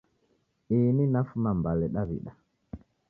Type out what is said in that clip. Ini nafuma Mbale Dawida